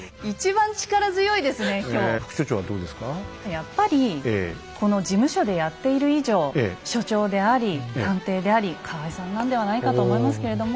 やっぱりこの事務所でやっている以上所長であり探偵であり河合さんなんではないかと思いますけれども。